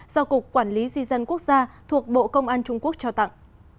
do cục quản lý di dân quốc gia thuộc bộ công an trung quốc trao tặng